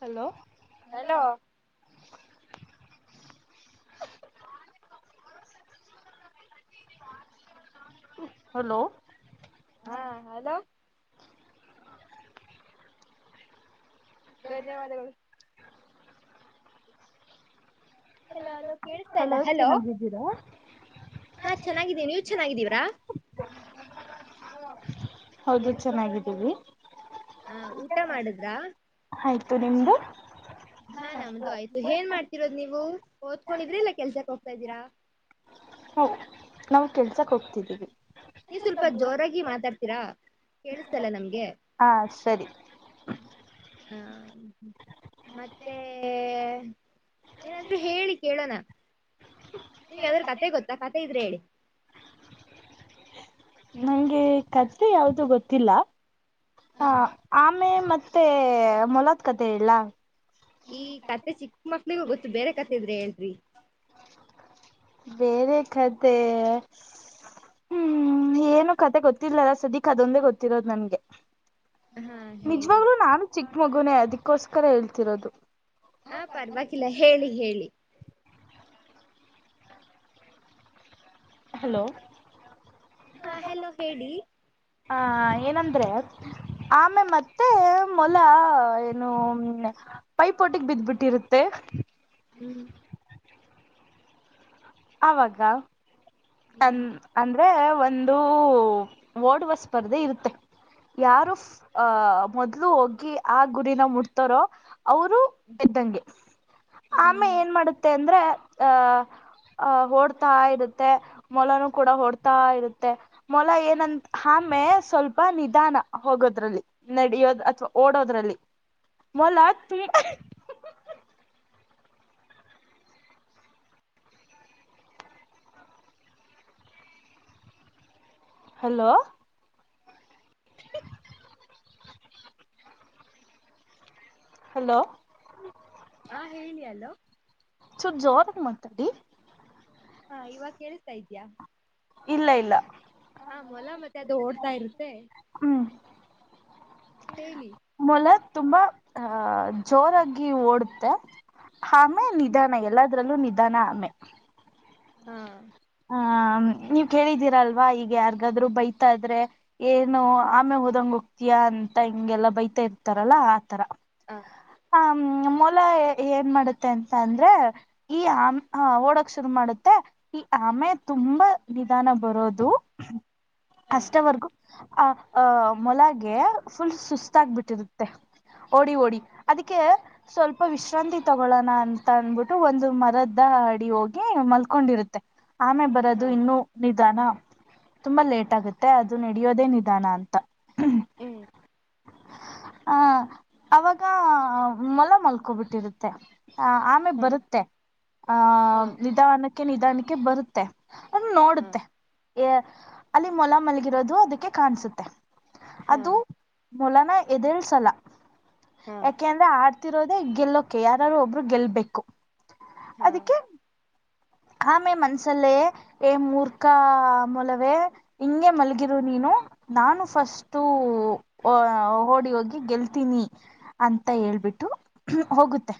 Hello hello hello [inaudible] [inaudible] hello? [inaudible] ಹಾ hello? [inaudible] ಧನ್ಯವಾದಗಳು. [inaudible] Hello hello ಕೇಸಳ್ತಾ ಇಲ್ಲ ಹಲೋ? [inaudible] ಹಲೋ? ಚೆನ್ನಾಗಿದ್ದೀರಾ [inaudible] ಹಾ ಚೆನ್ನಾಗಿದ್ದೇವಿ ನೀವ್ ಚೆನ್ನಾಗಿದ್ದೀವ್ರಾ? [inaudible] ಹೌದು ಚೆನ್ನಾಗಿದ್ದೀವಿ. [inaudible] ಹ ಊಟ ಮಾಡಿದ್ರಾ? [inaudible] ಆಯ್ತು ನಿಮ್ದು? [inaudible] ಹಾ ನಮ್ದು ಆಯ್ತು ಏ ಹೇನ್ ಮಾಡ್ತಿರೋದು ನೀವು ಓದ್ಕೊಂಡಿದ್ರಿ ಇಲ್ಲ ಕೆಲ್ಸಕ್ಕ ಹೊಗತ ಇದ್ದೀರಾ? [inaudible] ಹ ನಾವು ಕೆಲಸಕ್ಕ ಹೋಗ್ತಿದ್ದೀವಿ. [inaudible] ನೀವ್ ಸ್ವಲ್ಪ ಜೋರಾಗಿ ಮಾತಾಡ್ತೀರಾ ಕೇಳಿಸತಲ್ಲ ನಮಗೇ [inaudible] ಹಾ ಸರಿ. [inaudible] ಹಾ ಮತ್ತೆ. [inaudible] ಏನಾದ್ರೂ ಹೇಳಿ ಕೇಳೋಣ ನಿಮಗ ಯಾವದಾದರೂ ಕಥೆ ಗೊತ್ತಾ ಕಥೆ ಇದ್ರೆ ಹೇಳಿ. [inaudible] ನಂಗೆ ಕಥೆ ಯಾವ್ದು ಗೊತ್ತಿಲ್ಲ ಹಾ ಹ [inaudible] ಆಮೆ ಮತ್ತೆ ಮೊಲದ ಕಥೆ ಹೇಳಲಾ? [inaudible] ಈ ಕಥೆ ಚಿಕ್ಕ ಮಕ್ಳಿಗೂ ಗೊತ್ತು ಬೇರೆ ಕಥೆ ಇದ್ರೆ ಹೇಳರಿ [inaudible] ಕೇಳಿ [inaudible] ಕಥೆ ಹೂ ಏನು ಕಥೆ ಗೊತ್ತಿಲ್ಲಲ್ಲ ಸದಿಕ [inaudible] ಕದೊಂದೆ ಗೊತ್ತಿರೋದು ನನ್ಗೆ ಹಾ ಹೇಳಿ ನಿಜ್ವಾಗ್ಲೂ ನಾನು [inaudible] ಚಿಕ್ಕ ಮಗುನೇ ಅದಕ್ಕೋಸ್ಕರ ಹೇಳ್ತಿರೋದು. [inaudible] ಹಾ ಪರ್ವಾಗಿಲ್ಲ ಹೇಳಿ ಹೇಳಿ ಹಲೋ ಹಾ ಹಲೋ ಹೇಳಿ ಹ ಏನಂದ್ರೆ ಆಮೇ ಮತ್ತೆ ಮೊಲ ಏನು. ಪೈ ಪೋಟಿಗ್ ಬಿದ್ಬಿಟರುತ್ತೆ. ಹ್ಮ್ ಅವಾಗ ತನ್. ಹ್ಮ್ ಅಂದ್ರೆ ಒಂದು ಓಡುವ ಸ್ಪರ್ಧೆ ಇರುತ್ತೆ. ಯಾರು ಮೊದ್ಲು ಹೋಗಿ. ಆ ಗುರಿನ ಮುಡ್ತಾರೋ ಅವರು ಬಿದ್ದಂಗೆ ಆಮೆ ಹ್ಮ್ ಏನ್ ಮಾಡ ತೆ ಅಂದ್ರೆ ಹ ಅಹ ಓಡ್ತಾ ಇರುತ್ತೆ ಮೊಲನು ಕೂಡ ಓಡ್ತಾ ಇರುತ್ತೆ. ಮೊಲ ಏನಂತ ಆಮೆ ಸ್ವಲ್ಪ ನಿಧಾನ ಹೋಗೋದ್ರಲ್ಲಿ ನಡಿಯೋದ್ ಅಥ್ವಾ ಓಡೋದ್ರಲ್ಲಿ ಮೊಲ ತಿ. ಹಲೋ ಹಲೋ ಹಾ ಹೇಳಿ ಹಲೋ ಸ್ವಲ್ಪ ಜೋರಾಗಿ ಮಾತಾಡಿ. ಹಾ ಇವಾಗ ಕೇಳಸ್ತಾ ಇದ್ಯಾ. ಇಲ್ಲ ಇಲ್ಲ ಆ ಮೊಲ ಮತ್ತೆ ಅದು ಓಡ್ತಾ ಇರುತೆ. ಹ್ಮ್ ಹೇಳಿ ಮೊಲ ತುಂಬಾ ಅಹ ಜೋರಾಗಿ ಓಡುತ್ತೆ. ಆಮೆ ನಿಧಾನ ಎಲ್ಲದ್ರಲ್ಲೂ ನಿಧಾನ ಆಮೆ. ಹಾ ಹ ನೀವ್ ಕೇಳಿದೀರಲ್ವಾ ಈಗ ಯಾರಿಗಾದ್ರು ಬೈತಾ ಇದ್ರೆ. ಏನು ಆಮೆ ಹೋದಂಗ ಹೋಗ್ತಯಾ ಅಂತ ಹಿಂಗೆಲ್ಲ ಬೈತಾ ಇರ್ತಾರಲ್ಲಾ ಆತರ. ಹಾ ಹ ಮೊಲ ಏನ್ ಮಾಡುತ್ತೆ ಅಂತ ಅಂದ್ರೆ. ಈ ಆ ಓಡಕ್ ಶುರು ಮಾಡುತ್ತೆ. ಈ ಆಮೆ ತುಂಬಾ ನಿಧಾನಗ ಬರೋದು ಹ ಅಷ್ಟವರ್ಗೂ. ಆ ಅಹ ಮೊಲಗೆೆ ಫುಲ್ ಸುಸ್ತಾಗಬಿಟ್ಟಿರುತ್ತೆ. ಓಡಿ ಓಡಿ ಅದಕ್ಕೆ ಸ್ವಲ್ಪ ವಿಶ್ರಾಂತಿ ತಗೋ ಳೋಣ ಅಂತ ಅಂದಬಿಟ್ಟು ಒಂದು ಮರದ ಅಡಿ ಹೋಗಿ ಮಲ್ಕೊಂಡಿರುತ್ತೆ. ಆಮೆ ಬರೋದು ಹಾ ಇನ್ನುೂ ನಿಧಾನ ತುಂಬಾ ಲೇಟ್ ಆಗುತ್ತೆ ಅದು ನಡಿಯೋದೇ ನಿಧಾನ ಅಂತ ಏ. ಹಾ. ಅವಾಗ ಮೊಲ ಮಲ್ಕೊಬಿಟ್ಟಿರುತ್ತೆ ಆ ಆಮೆ ಹಾ ಬರುತ್ತೆ. ಆಹ ಹಾ ನಿಧಾನಕ್ಕೆ ನಿಧಾನಕ್ಕೆ ಬರುತ್ತೆ. ಅ ಹಾ ನೋಡುತ್ತೆ ಅ ಅಲ್ಲಿ ಮೊಲ ಮಲಗಿರೋದು ಅದಕ್ಕೆ ಕಾಣಸುತ್ತೆ. ಹಾ ಅದು ಮೊಲನಾ ಎದೆೇಳ್ಸಲ್ಲ ಹಾ ಯಾಕೆಂ ದರೆ ಆಡ್ತಿರೋದೇ ಗೆಲ್ಲೋಕೆ ಯಾರಾರು ಒಬ್ರು ಗೆಲ್ಬೇಕು ಹಾ ಅದಕ್ಕೆ. ಮ್ಮೆ ಮನ್ಸಲ್ಲೇ ಏ ಮೂರ್ಖಾ ಮೂಲವೇ ಹಿಂಗೆ ಮಲಗಿರು ನೀನು. ನಾನು ಫಸ್ಟು ಅ ಓಡಿ ಹೋಗಿ ಗೆಲ್ತೀನಿ. ಅಂತ ಹೇಳ್ಬಿಟ್ಟು. ಹೋಗುತ್ತೆ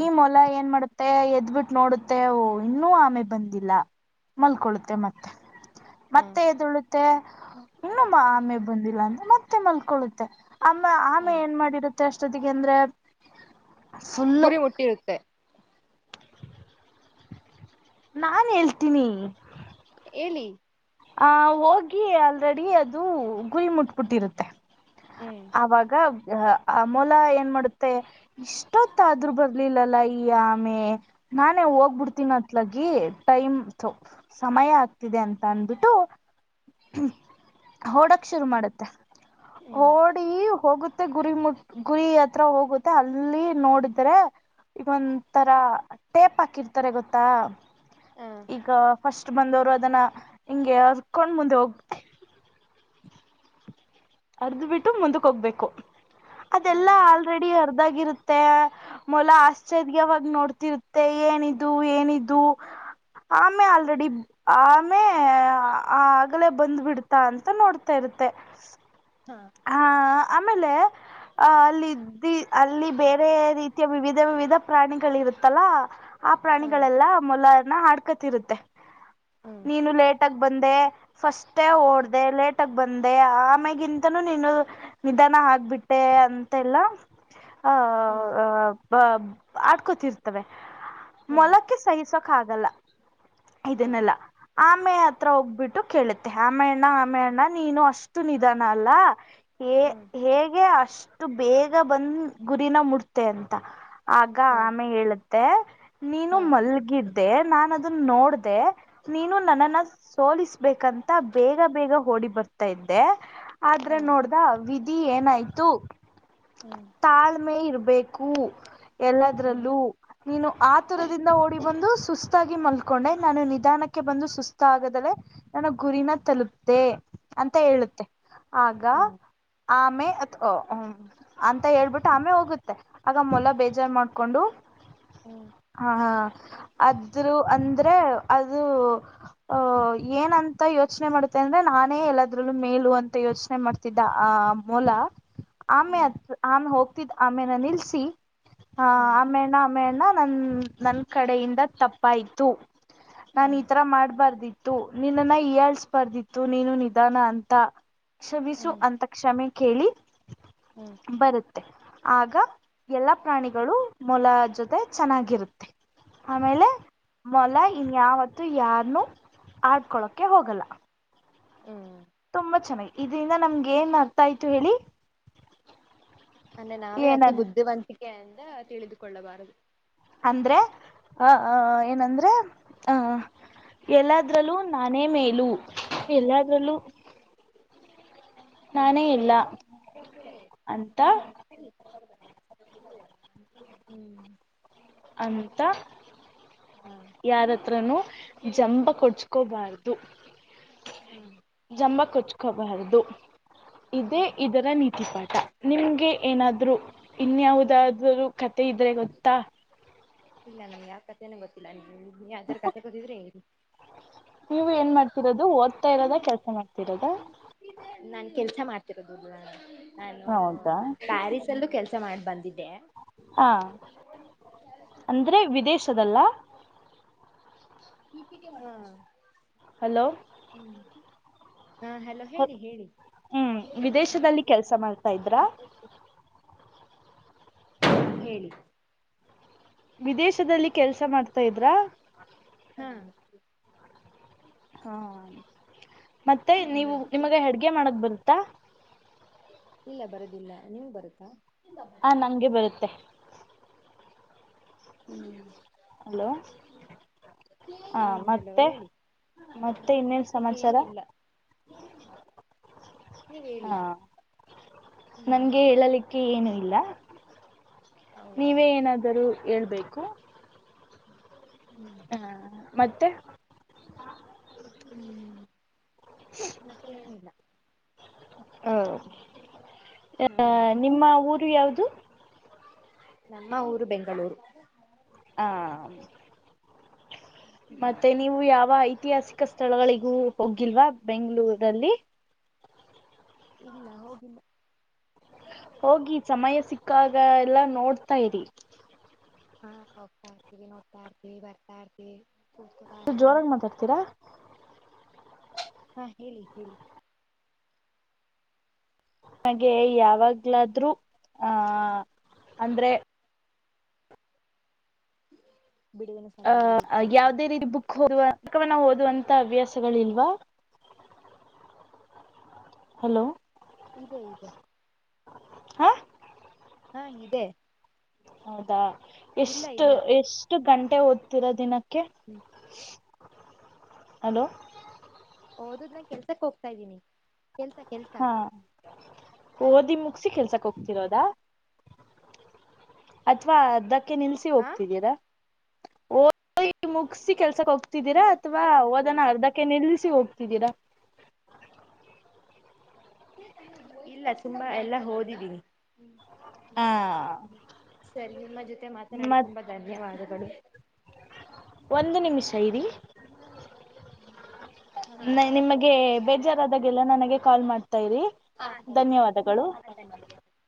ಈ ಮೊಲ ಏನ್ ಮಾಡುತ್ತೆ ಎದ್ಬಿಟ್ಟು ನೋಡುತ್ತೆ ಇನ್ನೂ ಆಮೆ ಬಂದಿಲ್ಲಾ ಮಲ್ಕೊಳ್ಳುತ್ತೆ ಮತ್ತೆ ಹಾ ಮತ್ತೆ ಎದ್ದೋಳು. ತ್ತೆ ಇನ್ನೊ ಆಮೇಬಂದಿಲ್ಲ ಅಂದ್ರೆ ಮತ್ತೆ ಮಲ್ಕೊಳ್ಳುತ್ತೆ. ಅಮ್ಮ ಹಾ ಆಮೆ ಏನ ಮಾಡಿರುತ್ತೆ ಅಷ್ಟೊತ್ತಿಗೆ ಅಂದ್ರೆ. ಫುಲ್ಲು ಗುರಿ ಮುಟ್ಟಿರುತ್ತೆ. ನಾನ ಹೇಳ್ತೀನಿ. ಹೇಳಿ ಆ ಹೋಗಿ ಆಲ್ರಡಿ ಅದು ಗುರಿ ಮುಟ್ಬಿಟ್ಟಿರುತ್ತೆ. ಹ್ಮ್ ಅವಾಗಾ ಅ ಮೋಲಾ ಏನ ಮಾಡುತ್ತೆ. ಇಷ್ಟೊತ್ತಾದ್ರೂ ಬರ್ಲಿಲ್ಲಲ್ಲಾ ಈ ಆಮೆ. ನಾನೇ ಹೋಗ್ಬಿಡ್ತೀನ ಅತ್ಲಗಿ ಟೈಮ್ ತೊ ಸಮಯ ಆಗ್ತಿದೆ ಅಂತ ಅಂದಬಿಟ್ಟು. ಓಡಕ ಶುರು ಮಾಡುತ್ತೆ ಹ್ಮ್ ಓಡಿ ಹೋಗುತ ಮತ್ತೆ ಗುರಿ ಮುಟ್ ಗುರಿ ಹತ್ರ ಹೋಗುತ್ತೆ ಅಲ್ಲಿ ನೋಡಿದ್ರೆ. ಈಗೊಂದ್ ಥರಾ ಟೇಪ್ ಆಕಿರ್ತಾರೆ ಗೊತ್ತಾ. ಹಾ ಈಗ ಫಸ್ಟ್ ಬಂದವ್ರು ಅದನ್ನ ಹಿಂಗೆ ಎಳರ್ಕೊಂಡ ಮುಂದೆ ಹೋಗ್ಬೇಕ. ಟಕ್ ಟಕ್ ಅರ್ಧಬಿಟ್ಟು ಮುಂದುಕ್ಕೋಗ್ಬೇಕು ಹಾ ಅದೆಲ್ಲಾ ಆಲ್ರೆಡಿ ಅರ್ಧಾಗಿರುತ. ತ್ತೆ ಮೊಲಾ ಆಶ್ಚರ್ಯವಾಗ ನೋಡ್ತಿರುತ್ತೆ ಏನಿದು ಏನಿದು. ಆಮೇ ಆಲ್ರೆಡಿ ಬಿ. ಆಮೇ ಆ ಆಗಲೇ ಬಂದ ಬಿಡ್ತಾ ಅಂತ ನೋಡ್ತಾ ಇರುತ್ತೆ. ಹಾ ಹಾ ಆಮೇಲೆ ಅ ಅಲ್ಲಿದ್ದಿ ಅಲ್ಲಿ ಬೇರೆ ರೀತಿ ವಿವಿಧ ವಿವಿಧ ಪ್ರಾಣಿಗಳಿರುತ್ತಲ್ಲಾ. ಆ ಹಾ ಪ್ರಾಣಿಗಳೆಲ್ಲಾ ಮೊಲನಾ ಆಡ್ಕತಿರುತ್ತೆ. ಹ್ಮ್ ನೀನು ಲೇಟಾಗ್ಬಂದೆ ಫಸ್ಟೇ ಓಡ್ದೆ ಲೇಟಗಬಂದೆ ಆಮೆಗಿಂತ್. ನೀನು ನಿಧಾನ ಆಗ್ಬಿಟ್ಟೆ ಅಂತೆಲ್ಲ ಹ್ಮ್ ಆ--ಆ ಬ ಆಡ್ಕೊತಿರ್ತವೆ ಹಾ ಮೊಲಕ್ಕೆ ಸಹಿಸೋಕ್ಕಾಗಲ್ಲಾ. ಹಾ ಇದನ್ನೆಲ್ಲಾ. ಆಮೇ ಹತ್ರ ಹೋಗ್ಬಿಟ್ಟು ಕೇಳುತ್ತೆ ಆಮೆ ಅಣ್ಣ ಆಮೆ ಅಣ್ಣ ನೀನು ಅಷ್ಟು ನಿಧಾನ ಅಲ್ಲಾ. ಏ ಹ್ಮ್ ಹೇಗೆ ಅಷ್ಟು ಬೇಗ ಬಂದ್ ಗುರಿನ ಮುಟ್ದೆ ಅಂತ. ಆಗ ಹಾ ಆಮೆ ಹೇಳತ್ತೆ ನೀನು ಹಾ ಮಲ್ಗಿದ್ದೆ ನಾನ್ ಅದನ್ನೋಡ್ದೆ. ನೀನು ನನ್ನನ್ನ ಸ್ಸೋಲಿಸ್ಬೇಕಂತ ಬೇಗ ಬೇಗ ಹೋಡಿ ಬರ್ತಾಯಿದ್ದೆ. ಆದ್ರೆ ಹಾ ನೋಡ್ದ ವಿಧಿ ಏನಾಯ್ತು. ಹ್ಮ್ ತಾಳ್ಮೆ ಇರ್ಬೇಕು ಹ್ಮ್ ಎಲ್ಲದ್ರಲ್ಲೂ. ನೀನು ಆತುರದಿಂದ ಓಡಿ ಬಂದು ಸುಸ್ತಾಗಿ ಮಲ್ಕೊಂಡೆ ನಾನು ನಿಧಾನಕ್ಕೆ ಬಂದು ಸುಸ್ತ ಆಗದಲೆ ನನ್ನ ಗುರಿನ ತಲುಪ್ದೆ ಅಂತ ಹೇಳುತ್ತೆ. ಆಗಾ ಹ್ಮ್ ಆಮೆ ಅದ ಅ ಹ. ಅಂತ ಹೇಳ್ಬಿಟ್ಟು ಆಮೆ ಹೋಗುತ್ತೆ ಆಗ ಮೊಲ ಬೇಜಾರ್ ಮಾಡ್ಕೊಂಡು. ಹು ಹಾ ಆದ್ರೂ ಅಂದ್ರೆ ಅದು. ಅ ಏನಂತ ಯೋಚನೆ ಮಾಡುತ್ತೇ ಅಂದ್ರೆ ನಾನೇ ಎಲ್ಲದ್ರಲ್ಲೂ ಮೇಲು ಅಂತ. ತ್ತೆ ಯೋಚನೆ ಮಾಡ್ತಿದ್ದ ಆ ಮೋಲಾ. ಆಮೆ ಹ್ಮ್ ಅತ ಹ್ಮ್ ಆಮ ಹೋಗ್ತಿದ ಆಮೇನ ನಿಲ್ಸಿ. ಹಾ ಹ್ಮ್ ಆಮೇಣ್ಣ ಆಮೆ ಅಣ್ಣ ನನ್ನ ನನ್ಕಡೆಯಿಂದ ತಪ್ಪಾಯ್ತು. ನಾನ ಈತರಾ ಮಾಡ್ಬಾರ್ದಿತ್ತು ನಿನ್ನನ್ನ ಹಿಯಾಳ್ಸ್ಬಾರ್ದಿತ್ತು ನೀನು ನಿಧಾನ ಅಂತಾ. ಕ್ಷಮಿಸು ಹ್ಮ್ ಅಂತ ಕ್ಷಮೆ ಕೇಳಿ ಹ್ಮ್ ಬರುತ್ತೆ ಆಗ ಎಲ್ಲಾ ಪ್ರಾಣಿಗಳು ಮೊಲ ಜೊತೆ ಚೆನ್ನಾಗಿರುತ್ತೆ ಆಮೇಲೆ ಮೊಲ ಇನ್ಯಾವತ್ತು ಯಾರ್ನು ಆಡ್ಕೊಳೋಕ್ಕೆ ಹೋಗಲ್ಲ ಹ್ಮ್ ತುಂಬಾ ಚೆನ್ನಾಗಿ ಇದೇ ಇದರಿಂದ ನಮಗೇನ್ ಅರ್ಥಾಯ್ತು ಹೇಳಿ ಅಂದ್ರೆ ನಾವೇ ಅತಿ ಏನಂತ ಬುದ್ಧಿವಂತಿಕೆಯಂದೆ ತಿಳಿದುಕೊಳ್ಳಬಾರದು ಅಂದ್ರೆ ಅ ಅ ಅ ಏನಂದ್ರೆ ಅ ಆ ಹ್ ಎಲ್ಲಾದ್ರಲ್ಲೂ ನಾನೇ ಮೇಲೂ ಎಲ್ಲದ್ರಲ್ಲೂ ನಾನೇ ಎಲ್ಲಾ ಹೇಳಿ ಅಂತ ಹ್ಮ್ ಅಂತಾ ಹಾ ಯಾರಹತ್ರನು ಜಂಬ ಕೊಚ್ಚಕೋಬಾರ್ದು ಹಾ ಜಂಬ ಕೊಚ್ಕೋಬಾರದು ಹಾ ಇದೇ ಇದರ ನೀತಿ ಪಾಠ ನಿಮ್ಗೆ ಏನಾದ್ರೂ ಇನ್ಯಾವುದಾದ್ರರು ಕತೆೆ ಇದ್ರೆ ಗೊತ್ತಾ ಇಲ್ಲ ನಮ್ ಯಾವ ಕತೆೆನ ಗೊತ್ತಿಲ್ಲ ನೀ ಯಾವ್ದ ಕತೆೆ ಬಂದ್ರೆ ಹೇಳಿ ನೀವು ಏನ್ ಮಾಡ್ತಿರೋದು ಓದ್ತಾ ಇರೋದ ಕೆಲಸ ಮಾಡ್ತಿರೋದ ನಾನ್ ಕೆಲ್ಸ ಮಾಡ್ತಿರೋದಲ್ವಾ [unintelligible] ನಾನು ಹೌದಾ ಪ್ಯಾರಿಸ್ ಲ್ಲೂ ಕೆಲಸ ಮಾಡಿ ಬಂದಿದ್ದೆ ಹಾ ಅಂದ್ರೆ ವಿದೇಶದಲ್ಲಾ [unintelligible] ಹಲೋ ಹ್ಮ್ ಹಾ ಹಲೋ ಹೇಳಿ ಹೇಳಿ ಹ್ಮ್ ವಿದೇಶದಲ್ಲಿ ಕೆಲ್ಸ ಮಾಡ್ತಾ ಇದ್ರಾ [unintelligible] ಹೇಳಿ ವಿದೇಶದಲ್ಲಿ ಕೆಲ್ಸ ಮಾಡ್ತಾ ಇದ್ರಾ ಹಾ. ಹಾ ಮತ್ತೆ ನೀವು ನಿಮಗ ಅಡ್ಗೆ ಮಾಡಕ್ ಬರುತ್ತಾ. ಇಲ್ಲ ಬರದಿಲ್ಲ ನಿಮ್ಗ ಬರುತ್ತಾ. ಹ ನಂಗೆ ಬರುತ್ತೆ. ಹ್ಮ್. ಹಲೋ ಹ ಹ್ಮ್ ಹಲೋ ಮತ್ತೆ ಹೇಳಿ ಮತ್ತೆ ಇನ್ನೇನ್ ಮತ್ತೆ ಏನು ಸಮಾಚಾರ ಇಲ್ಲ ನೀವ್ ಹೇಳಿ ಹಾ ಹ್ಮ್ ನನ್ಗೆ ಹೇಳಲಿಕ್ಕೆ ಕೆ ಏನು ಇಲ್ಲ ಹೌದಾ ನೀವೇ ಏನಾದರೂ ಹೇಳ್ಬೇಕು ಹ್ಮ್ ಹಾ ಮತ್ತೆ ಹ್ಮ್ ಮತ್ತೆ ಏನಿಲ್ಲ ಹ ಅ ಹಾ ನಿಮ್ಮ ಊರು ಯಾವದು ನಮ್ಮ ಊರು ಬೆಂಗಳೂರು ಹಾ ಮತ್ತೆ ನೀವು ಯಾವ ಐತಿಹಾಸಿಕ ಸ್ಥಳಗಳಿಗೂ ಹೋಗಿಲ್ವಾ ಬೆಂಗ್ಳೂರಲ್ಲಿ. ಇಲ್ಲಾ ಹೋಗಿಲ್ಲಾ ಹೋಗಿ ಸಮಯ ಸಿಕ್ಕಾಗ ಎಲ್ಲ ನೋಡ್ತಾ ಇರಿ. ಹಾ ಹೋಗ್ತಾ ಇರ್ತಿವಿ ನೋಡ್ತಾ ಇರ್ತಿವಿ ಬರ್ತಾ ಇರ್ತಿವಿ ಜೋರಾಗಿ ಮತ್ತೆ ಮಾತಾಡ್ತೀರಾ ಹಾ ಹೇಳಿ ಹೇಳಿ ನಮಗೆ ಯಾವಾಗ್ಲಾದ್ರೂ ಆಹ ಅಂದ್ರೆ ಬಿಡುವಿನ ಸಮಯದಲ್ಲಿ ಅಹ ಇದ್ದಾಗ ಯಾವುದೇ ರೀತಿ ಬುಕ್ ಓದುವ ಬುಕ್ ಗಳನ್ನು ಓದುವಂತ ಹವ್ಯಾಸಗಳ ಇಲ್ವಾ ಹಲೋ ಇದೆ ಇದೆ. ಹಾ. ಹಾ ಇದೆ. ಹೌದಾ ಇಲ್ಲ ಎಷ್ಟು ಇಲ್ಲ ಎಷ್ಟು ಗಂಟೆ ಓದ್ತಿರಾ ದಿನಕ್ ಕ್ಕೆ ಹ್ಮ್ ಹಲೋ. ಓದುದ್ರಾ ಕೆಲ್ಸಕ್ಕ ಹೋಗ್ತಾ ಇದೀನಿ. ಕೆಲ್ಸ ಕೆಲ್ಸ. ಹಾ ಓದಿ ಮುಗಸಿ ಕೆಲ್ಸಕ್ ಹೋಗ್ತಿರೋದಾ. ಅಥ್ವಾ ಅರ್ಧಕ್ಕೆ ನಿಲ್ಸಿ ಹಾ ಹೋಗ್ತಿದ್ದೀರಾ ಓದಿ ಮುಗಸಿ ಕೆಲ್ಸಕ್ಕ ಹೋಗ್ ಹೋಗ್ತಿದ್ದೀರಾ ಇಲ್ಲ ಅಥವಾ ಇದು ಎಲ್ಲ ಓದನ ಓದಿದ್ದೀನಿ ಅರ್ಧಕ್ಕೆ ನಿಲ್ಲಿಸಿ ಹೋಗ್ತಿದ್ದೀರಾ. ಇಲ್ಲ ತುಂಬಾ ಎಲ್ಲಾ ಓದಿದ್ದೀನಿ. ಹಾ ಸರಿ ನಿಮ್ಮ ಜೊತೆ ಮಾತನಾಡಿ ಮತ್ ತುಂಬಾ ಧನ್ಯವಾದಗಳು. ಒಂದು ನಿಮಿಷ ಇರಿ. ಹಾ ನ ನಿಮಗೆ ಬೇಜಾರಾದಾಗೆಲ್ಲ ನನಗೆ ಕಾಲ್ ಮಾಡ್ತಾ ಇರಿ. ಹಾಂ ಸರಿ ಧನ್ಯವಾದಗಳು. ಹಾಂ ಧನ್ಯವಾದಗಳು.